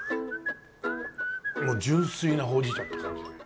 もう純粋なほうじ茶って感じ。